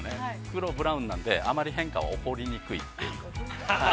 黒、ブラウンなんであまり変化は起こりにくいという。